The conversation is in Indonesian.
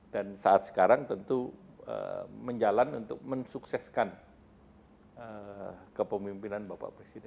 dan saat sekarang tentu menjalan untuk mensukseskan kepemimpinan bapak presiden